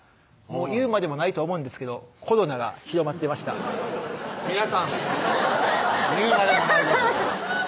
言うまでもないと思うんですけどコロナが広まっていました皆さん言うまでもないです